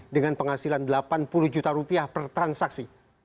dengan penghasilan delapan puluh juta rupiah per transaksi